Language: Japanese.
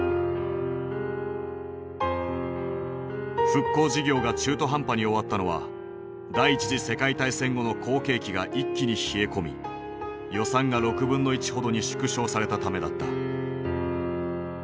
復興事業が中途半端に終わったのは第１次世界大戦後の好景気が一気に冷え込み予算が６分の１ほどに縮小されたためだった。